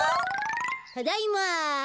・ただいま。